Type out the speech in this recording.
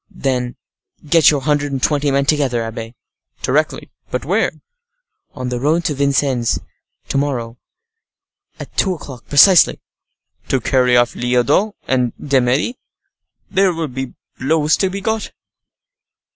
"Then get your hundred and twenty men together, abbe." "Directly. But where?" "On the road to Vincennes, to morrow, at two o'clock precisely." "To carry off Lyodot and D'Eymeris? There will be blows to be got!"